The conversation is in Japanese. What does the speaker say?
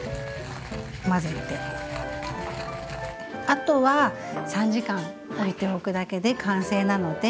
あとは３時間おいておくだけで完成なので。